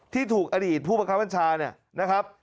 ที่ถูกอดีตผู้ประคับบัญชาเนี่ยนะครับ